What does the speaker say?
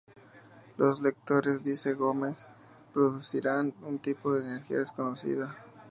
Los electrones, dice Gómez, "producirán un tipo de energía desconocida".